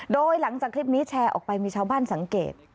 โดยหลังจากคลิปนี้แชร์ออกไปมีชาวบ้านสังเกต